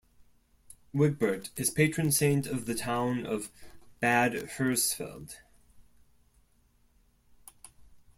Wigbert is patron saint of the town of Bad Hersfeld.